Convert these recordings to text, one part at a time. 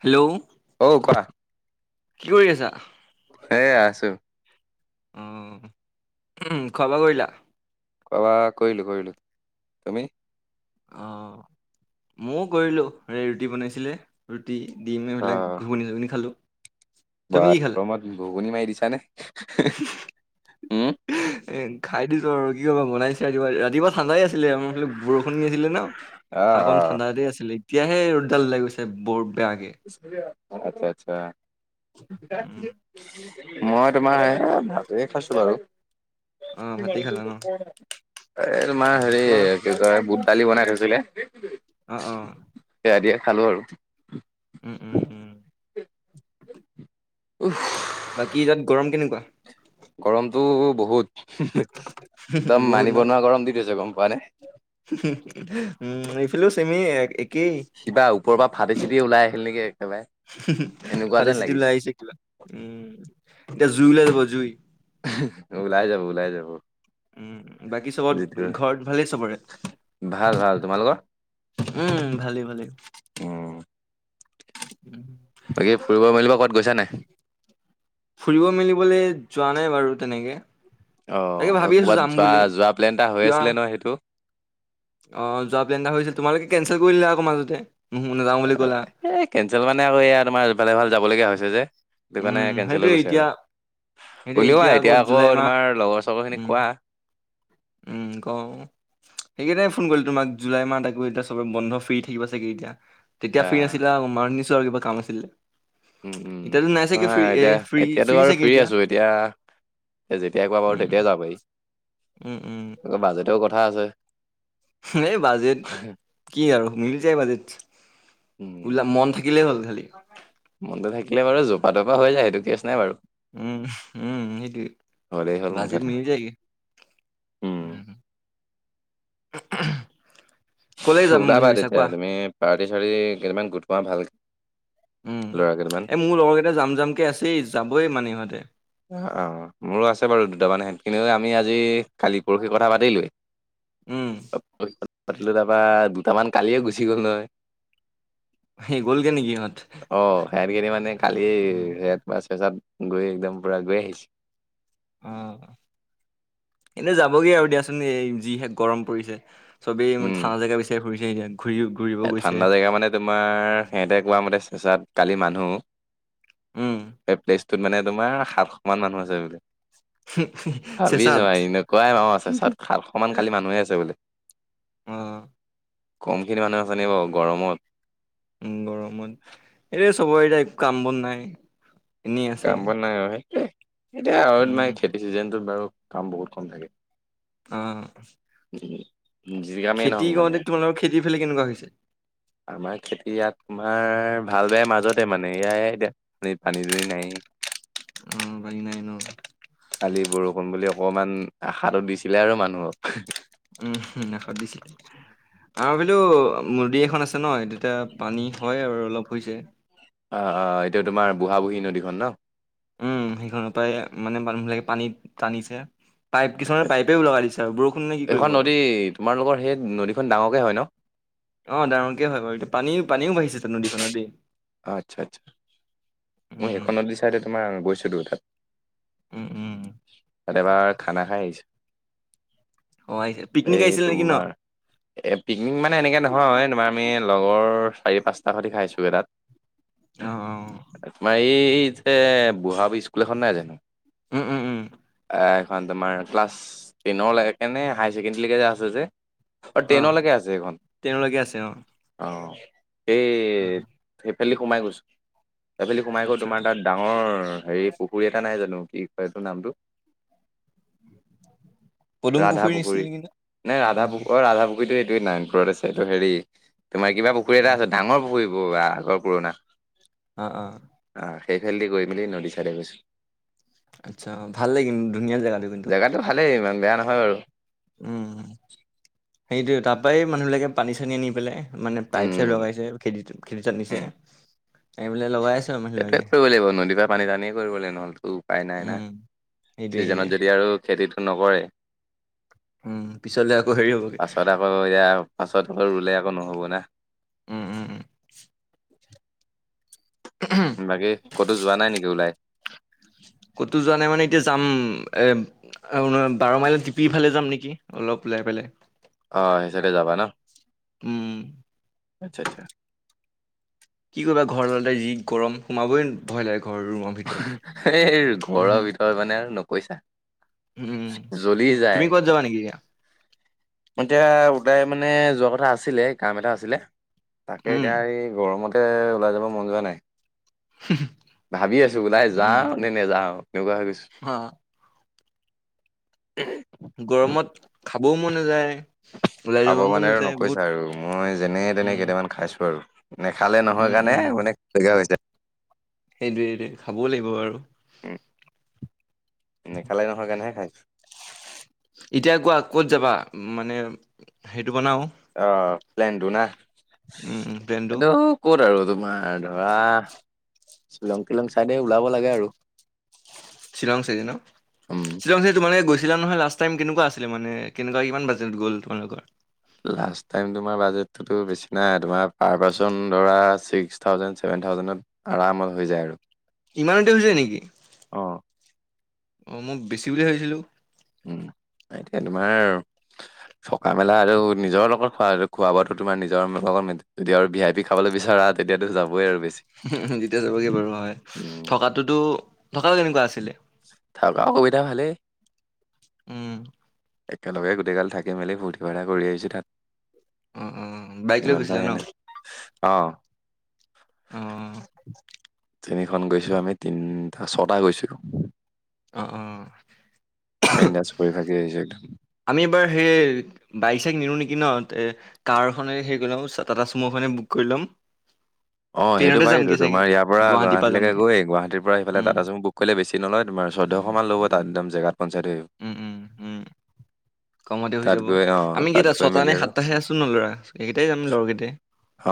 Hello অ কোৱা কি কৰি আছা? সেইয়া আছো। উম খোৱা বোৱা কৰিলা। খোৱা বোৱা কৰিলো, কৰিলো তুমি? অ', মওঁ কৰিলো ৰে- ৰুটি বনাইছিলে ৰুটি। দিম এইবিলাক ঘুগুনি চুগুনি খালো। বা গমত ঘুগুনি মাৰি দিছা নে। এ' খাই দিছো আৰু কি কবা বনাইছে কিবা। ৰাতিপুৱা ঠাণ্ডাই আছিলে আমাৰ ফালে বৰষুণ আছিলে ন অ ঢাকন ঠাণ্ডাতে আছিলে। এতিয়াহে ৰ'দডাল ওলাই গৈছে ব'ৰ। বেয়াকে। আচ্ছা, আচ্ছা। উম, মই তোমাৰ এ' ভাতেই খাইছো বাৰু। অ' ভাতেই খালা ন? এই মা উম, হেৰি তোমালোক কি কয় বুট দালি বনাই থৈছে। দিলে। অ', অ'। খালো আৰু। উম, উম, উম উফ বাকীতাত গৰম কেনেকুৱা? গৰমটো বহুত। একদম বহুত ন? মানিব নোৱাৰা গৰম দি থৈছে গম পোৱা নে। উম, এইফালেও চেমে এ' এক। সিবা ওপৰৰ পৰা ফাটি চিটি ওলাই আহিল নেকি একেবাৰে। এনেকুৱা ফাটি যেন চিতি লাগিছে ওলাই আহিছে কিবা উম এতিয়া জুই ওলাই যাব জুই। ওলাই যাব, ওলাই যাব। উম, বাকী যিটো চবত ঘৰত ভালেই চবৰে? ভাল ভাল তোমালোকৰ উম, ভালেই, ভালেই। উম উম, বাকী ফুৰিব মেলিব [inaudible] ফুৰিব মেলিবলৈ যোৱা নাই বাৰু তেনেকে। তাকে অ', ভাবি আছো ক'ৰবাত যাম যোৱা, বুলি যোৱা প্লেন এটা হৈ কিবা আছিলে ন সেইটো? অ', যোৱা প্লেণ এটা হৈছে তোমালোকে কেনচেল কৰি দিলা আকৌ মাজতে। নুহো নাযাওঁ বুলি ক'লা এই কেনঞ্চেল মানে আকৌ এয়া তোমাৰ ইফাল সিফাল যাবলগীয়া হৈছে যে। এইটো কাৰণে উম কেনঞ্চেল হৈ সেইটোয়ে গৈছে এতিয়া আৰু। সেইটোয়ে উলিওৱা এতিয়া আকৌ জুলাই মাহ তোমাৰ লগৰ চাগৰ খিনিক উম কোৱা। উম। কও সেইকেইটাই ফোন কৰিলে তোমাক জুলাই মাহ থাকিব এতিয়া চবে বন্ধ ফ্ৰী থাকিব চাগে এতিয়া। তেতিয়া ফ্ৰী আহ নাছিলা মানিছো আৰু কিবা কাম আছিলে। উম, উম এতিয়াতো চাগে নাই ফ্ৰী এ এতিয়া, ফ্ৰী এতিয়াতো বাৰু চাগে ফ্ৰী আছো এতিয়া। এ'যেতিয়া কোৱা বাৰু উম, তেতিয়াই যাব উম, উম, পাৰি বাজেটও কথা আছে। এই বাজেট কি আৰু মিলি যায় বাজেট। উম ওলা মন থাকিলেই হ'ল খালি। মনটো থাকিলে বাৰু জপা তপা হয় যায় সেইটো কেছ নাই বাৰু। উম উম সেইটোৱে হ'লেই হ'ল বাজেট মুঠতে। মিলি যায় কি উম [inaudible] যাম বুলি ওলাবা ভাবিছা তেতিয়া কোৱা? তুমি পাৰ্টি চাৰ্টি কেইদান গোটোৱা ভাল উম এ মোৰ লগৰ কেইটা জাম জামকে আছেই যাবই মানে ইহঁতে অ অ মোৰো আছে বাৰু দুটামানে সেঁতখিনি আমি আজি কালি পৰহি কথা পাতিলোৱৱেই উম, পাতিলো তাৰপা দুটামান গালিয়ে গুচি গ'ল নহয় সেই গ'লগে নেকি ইহঁত? অ সেহত কিন মানে কালি উম, সহ তছত গৈ একদম পূৰা গৈ আহিছে অ এন্তু যাবগে আৰু দিয়াচোন এই যিহে গৰম পৰিছে চবেই থা জেগা বিচাৰি ঘুৰি ফুৰিছেহতেন এ ঠাণ্ডা জেগা মানে তোমাৰ সিহতে কোৱা মতে চেচাত কালি মানুহ উম, এই প্লেচটোত মানে তোমাৰ সাতশ মান মানুহ আছে বোলে ভাবিছো চেচাত আৰু এনেকুৱাই মা আছে চ খাল সমান কালি মানুহে আছে বোলে অ কমখিনি মানুহ আছে নি বাৰু গৰমত উ গৰমত এইৰে চবৰে এতিয়া একো কাম বন নাই এনেই আছে কাম বন নাই আৰু সেইতোয়ে আৰু উম খেতি চিজনটোত বাৰু কাম বহুত কম থাকে অহ জিৰগামেই নও মানে খেতি ফালে কেনেকুৱা হৈছে আমাৰ খেতিয়াত তোমাৰ ভাল বে মাজত তে মানে এয়াই এতিয়া পানী দুৰি নাই অ ভাল নাই ন কালি বৰষুণ বুলি অকমান আশা দিছিলে আৰু মানুহক উম নাখ দিছে আলো মুৰ্দী এখন আছে ন তেতিয়া পানী হয় আৰু অলপ হৈছে অহ অহ এতিয়া তোমাৰ বুঢ়া বুঢ়ী নদীখন ন উম সেইখনৰ পৰাই মানে মানুহবিলাকে পানীত টানিছে পাইপ আচ্ছা কিছুমানে আচ্ছা পাইপে লগলাই দিছে আৰু বৰষুণ নাই কি কৰিব এইখন আৰু নদী [inaudible] তোমালোকৰ সেই নদীখন ডাঙৰকে হয় ন অ, ডাঙৰকে হয় বাৰু এতিয়া পানীও, পানীও বাঢ়িছে নদীখনতে। আচ্ছা, আচ্ছা মই উম সেইখনত দি চাই তোমাৰ গৈছো দে তাত। উম, উম। তাত এবাৰ খানা খাই অ আহিছে আহিছিল পিকনিক এই আহিছিল নেকি ন তোমাৰ এই পিকনিক মানে এনেকৈ নহয় তোমাৰ আমি লগৰ চাৰি, পাঁচটা সৈতি খাইছোঁ এ, তাত অ অ তোমাৰ এই যে বুঢ়া স্কুল এখন নাই জানো। উম, উম, উম। এখন তোমাৰ ক্লাছ টেনৰ কেনে হায়াৰ ছেকেণ্ডৰীকে যে আছে যে অ, ট্ৰেইনলৈকে আছে এইখন ট্ৰেইনলৈকে আছে অ অ'। এই সেইফালি সোমাই গৈছো, সেইফালি সোমাই গৈ আচ্ছা তোমাৰ তাত ডাঙৰ অ, হেৰি পুখুৰী এটা নাই জানো কি কয় এইটো নামটো পদুম পুখুৰী নিছিল ৰাধাপুখুৰী নেকি ন নে ৰাধা পুৰ, অ, ৰাধা পুুখ পুুৰতটো এইটোৱে নাৰপুৰত আছে, এইটো হেৰি তোমাৰ কিবা পুখুৰী এটা আছে ডাঙৰ পুখুৰীবোৰ বা আগৰ পুৰণা অ', অ'। সেইফালদি গৈ মেলি নদী চাই দে গৈছোঁ। আচ্ছা ভাল লাগিৰ কিন্তু ধুনীয়া জেগাটো কিন্তু। ভালেই ইমান বেয়া নহয় আৰু। উম, সেইটোৱে তাৰ পৰাই মানুহবিলাকে পানী, চানী মানে পাইপ, চাইপ উম লগাইছে খেতি, খেতিত নিছে আনি পেলাই লগাই আছে আৰু সেইচোয়ে মানুহবিলাকে কৰিব লাগিব। নদীৰ পৰা পানী টানিয় কৰিব লাগিব। নহ'লেতো উপায় নাই না। উম, সেইটোৱে সেইটোৱে চিজনত যদি আৰু খেতিটো নকৰে। উম, পিছলে আকৌ হেৰি হ'বগে পাছত আকৌ এয়া পাছত ঘৰ ৰুলে আকৌ নহব না। উম, উম, উম। বাকী ক'তো যোৱা নাই নেকি ওলাই। ক'তো যোৱা নাই মানে এতিয়া যাম এ অ, বাৰ মাইলত টিপিফালে যাম নেকি অলপ ওলাই পেলাই। অ, সেইচে যাবা ন। উম। আচ্ছা, আচ্ছা। কি কৰিবা ঘৰলতে যি গৰম সোমাবই ভয় লাগে। ঘৰ ৰুমৰ ভিতৰত এই ঘৰৰ উম, ভিতৰত মানে আৰু নকৈছা। উম, জ্বলি তুমি যায়। ক'বাত যাবা নেকি এতিয়া এতিয়া দাই মানে যোৱা কথা আছিলে কাম এটা আছিলে। তাকে উম, এতিয়া এই গৰমতে ওলাই যাব মন যোৱা নাই ভাবি আছো। নাই উম। যাওঁ, নে, নে যাওঁ এনেকুৱা হৈ গৈছো। হা গৰমত খাবও মন নযায়। খাব মানে আৰু নকৈছা আৰু মই যেনে তেনে উম কেইটামান খাইছো আৰু। নেখালে নহয় উম কাৰণে মানেলা হৈছে। সেইটোৱেইটোৱে খাবও লাগিব আৰু। [unintelligible] খালে নহয় কেনেহে খাইছো। এতিয়া কোৱা ক'ত যাবা মানে সেইটো বনাও। অ, প্লেনটো না উম উম প্লেনটো এইটো ক'ত আৰু। তোমাৰ ধৰা শ্বিলং, টিলং চাইডে ওলাব লাগে আৰু। শ্বিৰং, চাইে ন, উম শ্বিৰং চাই তোমালোকে গৈছে। আছিলা নহয় লাষ্ট টাইম কেনেকুৱা আছিল মানে কেনেুৱা কিমান বাজেট গ'ল তোমালোকৰ। লাষ্টো বেছি নাই তাৰ্স থােভেন, থ আৰামত হৈ যায় আৰু। ইমানতে হৈছে নেকি। আহ। অ মোক বেছি বুলি ভাবিছিলো উম এতিয়া তোমাৰ থকা মেলা আৰু নিজৰ লগত খোৱা খোৱা বোৱাাতো তোমাৰ নিজৰ লগত যদি আৰু বি আই পি খাবলৈ বিচৰা তেতিয়াতো যাবই আৰু বেছি যেতিয়া চাবগে বাৰু হয় উম থকাটোতো থকাটো কেনেকুৱা আছিলে থকা সুবিধা ভালেই উম একেলগে গোটেইাল থাকি মেলি ফূৰ্তি ফাৰ্তা কৰি আহিছঁ তাত অ অ বাইক লৈ গৈছিলা ন অঁ আহ শেনিীখন গৈছোঁ আমি তিনিটা ছটা গৈছোঁ অ অ মেন্দাজ কৰি থাকি আহিছে একদম আমি এবাৰ সেই বাইক চাইক নিলো নেকি ন এ কাৰখনে সেই গলাও টা চুম'খনে বুক কৰি ল'ম অ সেইটো ট্ৰেইনতে যামগে পাৰিিতো চাগে তোমাৰ ইাৰ পৰা গুৱাহাটীৰ গুৱাহাটীলৈকে যামগে গৈে গুৱাহাটীৰ পৰা সফালে উম টা চু বুক কৰিলে বেছি নলয় তোমাৰ চৈধ্যশ মমান ল'ব তাত একদম জেগাত পঞ্চায়ত হৈ উম উম [inaudible] কমতে হৈ তাত যাব গৈ অ', আমি তাত কেইটা গৈ ছটা মেলি নে আৰু সাতটাাহে আছো ন ল'ৰা এইকেইটাই যাম লৰকেইটাই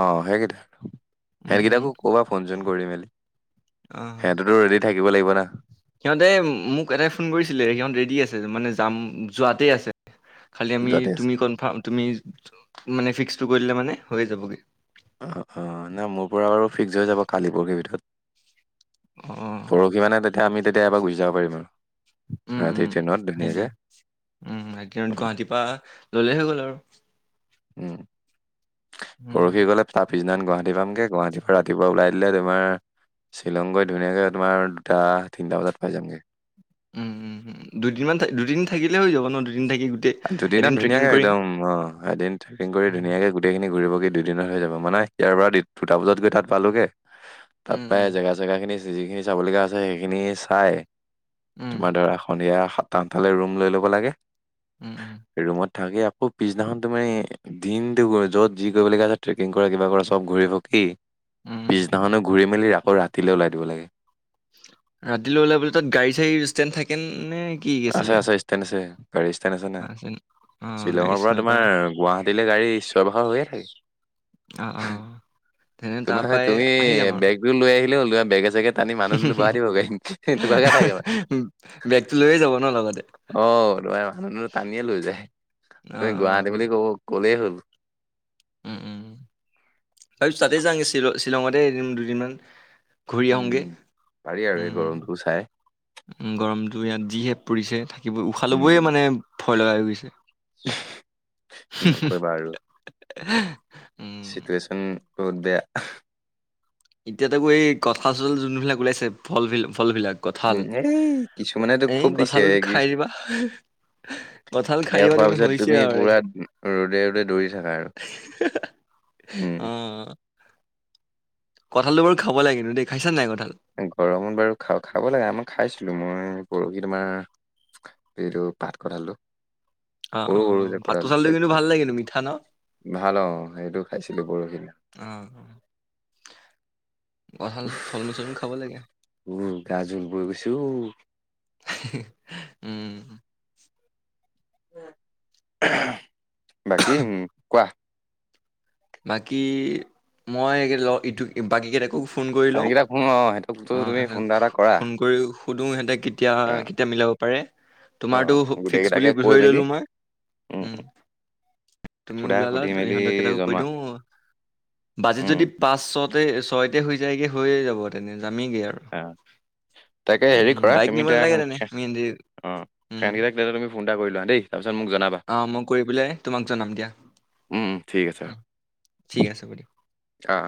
অ হেগ দ উম সিহঁকেইটাকো কবা ফোন চোন কৰি মেলি অ সিহঁততো ৰেডি থাকিব লাগিব না সিহঁতে মোক এটাই ফোন কৰিছিলে সিহঁত ৰেডি আছে মানে যাম যোৱাতে আছে খালি আমি যথেষ্ট তুমি কনফাৰ্ম তুমি মানে ফিক্সটো কৰি দিলে মানে হৈ যাবগৈ অ অঁ নাই মোৰ পৰা বাৰু ফিক্স হৈ যাব কালি পৰহি ভিতৰত অ পৰহি মানে তেতিয়া আমি তেতিয়া এবাৰ গুচি যাব পাৰিম আৰু উম ৰাতি উম ট্ৰেইনত সেইটো ধুনীয়াকে উম একদিন গুৱাহাটীৰ পৰা ললে হৈ গ'ল আৰু উম আৰু পৰহি গলে ত পিছদিনা গুৱাহাটী পামগে গুৱাহাটীৰ পৰা ৰাতিপুৱা ওলাই দিলে তোমাৰ শ্বিলং গৈ ধুনীয়াকৈ তোমাৰ দুটা তিনিটা বজাত পাই যামগৈ উম উম দুদিনমান থ দুদিন থাকিলে হৈ যাব ন দুদিন থাকি গোটেই দুদিনত এদিন ট্ৰেকিং ধুনীয়াকে কৰিম। একদম অ এদিন ট্ৰেকিং কৰি উম, ধুনীয়াকে গোটেই খিনি ঘূৰিব কি দু দু দিনত হৈ যাব মানে ইয়াৰ পৰা দুটা বজাত গৈ তাত পালোগে তাত উম, পায় উম, জেগা চেগা খিনি যিখিনি চাবলগা আছে সেইখিনি চাই উম, তোমাৰ ধৰা সন্ধিয়া সাতটা আঠাটালে ৰুম লৈ ল'ব লাগে উম, উম, ৰুমত থাকি আকৌ পিছদিনাখন তো মানে দিনটো য'ত যি কৰিবলগীয়া আছে ট্ৰেকিং কৰা কিবা কৰা চব ঘূৰি পকি উম, উম। পিছদিখনো ঘূৰি মেলি আকৌ ৰাতিলৈ ওলাই দিব লাগে ৰাতিলৈ ওলাবলে তাত গাড়ী চাড়ী ষ্টেণ্ড থাকে নে কি আছে আছিলে? আছে ষ্টেণ্ড আছে গাড়ী ষ্টেণ্ড আছে না ন? অ', গাড়ী শ্বিলঙৰ পৰা চিনি তোমাৰ নাপায় গুৱাহাটীলৈ গাড়ী চিঞৰ বাখৰ হৈয়ে থাকে অ অ তেনে তাৰ তোমাৰ পৰাই তুমি আহি যাম আৰু। বেগতো লৈ আহিলা হ'ল তোমাৰ বেগ চেগে টানি মানুহ দুনোহ বঢ়াই দিবগে এনেকাকে থাকে মানে বেগটো লৈয়ে যাব ন লগতে অ তোমাৰ মানুহো টানিয়ে লৈ যায় অ', তুমি গুৱাহাটী অ', বুলি ক'ব কলেই হ'ল উম উম তাৰপিছত তাতে যাওঁগে শ্বিলঙতে এদিন দুদিনমান ঘূৰি উম, আহোঁগে পাৰি আৰু এই উম গৰমটো চাই গৰমটো ইয়াত যিহে পৰিছে [unintelligible] উশা উম, ল'বই মানে ভয় লগা হৈ গৈছে নকবা আৰু [unintelligible] চিটুৱেশ্যন বহুত বেয়া এতিয়া তাকো এই কঠাল চঠল যোনবিলাক ওলাইছে ফল বিলাক ফল বিলাক কঠাল উম, এই কিছুমানেতো এই খুব দিছে কঁঠাল কি খাই দিবা কঁঠাল খাই সেয়া দিবা খোৱাৰ তুমি পিছত হৈছে আৰু পুৰা তাৰপিছত ৰ'দে ৰ'দে দৌৰি থাকা আৰু উম। অ কঁঠালটো বাৰু খাব লাগে দিই খাইছা নাই কঁঠাল? গৰমত বাৰু খা খাব লাগে আমাৰ খাইছিলো মই পৰহি তোমাৰ যিটো পাত কঠালটো অ অ পাত চালটো কিন্তু ভাল লাগে নো মিঠা ন ভাল অ সেইটো খাইছিলো পৰহি [inaudible] কঠাল ফল মূল চল মূল খাব লাগে উহ গা জোল বৈ গৈছে ও উম বাকী কোৱা বাকী মই ই বাকী কেইটাকো ফোন কৰি লওঁ সেইকেইটাক ফোন অ সিহঁতকতো অ তুমি ফোন এটা এটা কৰা ফোন কৰি সুধো সিহঁতক কেতিয়া অ কেতিয়া মিলাব পাৰে অ তোমাৰো ফিক্স বুলি গোটেইকেইটাকে কৈ ধৰি মেলি ল'লোঁ মই উম তুমি সোধা ওলালা সুধি মেলি ইহঁত কেইটাকো কৈ জনোৱা দিওঁ বাজেট উম যদি পাঁচ ছতে ছয়তে হৈ যায়গে হৈয়ে যাব তেনে জামেইগে আৰু অ তাকে হেৰি উম কৰা বাইক তুমি নিব এতিয়া নালাগে তেনে আমি এনে- অ সেহেতকেইটাক তুমি ফোন এটা কৰি লোৱা দেই তাৰপিছত মোক জনাবা আহ মই কৰি পেলাই তোমাক জনাম দিয়া। উম উম ঠিক আছে অ ঠিক আছে বাইদিয়উ। অ